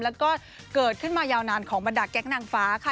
แล้วก็เกิดขึ้นมายาวนานของบรรดาแก๊งนางฟ้าค่ะ